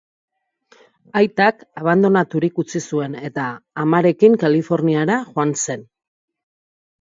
Aitak abandonaturik utzi zuen eta amarekin Kaliforniara joan zen.